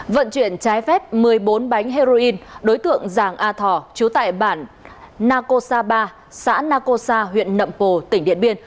vận chuyển trái phép một mươi bốn bánh heroin đối tượng giàng a thỏ chú tại bản nako sa ba xã nako sa huyện nậm pồ tỉnh điện biên